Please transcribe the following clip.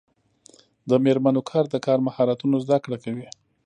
د میرمنو کار د کار مهارتونو زدکړه کوي.